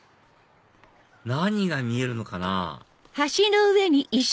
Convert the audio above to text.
何が見えるのかな？